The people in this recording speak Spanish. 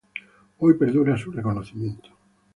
Hoy perdura su reconocimiento.